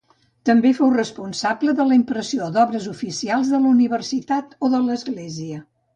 També fou el responsable de la impressió d'obres oficials de la universitat o de l’Església.